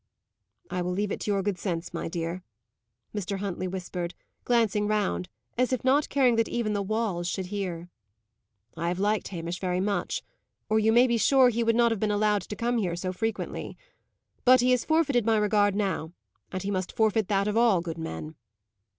"I will leave it to your good sense, my dear," Mr. Huntley whispered, glancing round, as if not caring that even the walls should hear. "I have liked Hamish very much, or you may be sure he would not have been allowed to come here so frequently. But he has forfeited my regard now, as he must forfeit that of all good men."